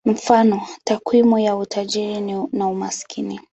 Mfano: takwimu ya utajiri na umaskini.